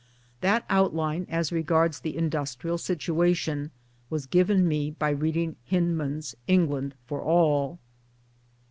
That outline as regards the industrial situation was given me by reading Hyndman's England for All.